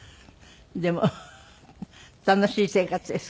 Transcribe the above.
でも楽しい生活ですか？